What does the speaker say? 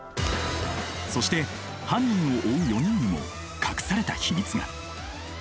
そして犯人を追う４人にも隠された秘密が。